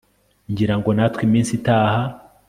Ngirango natwe iminsi itaha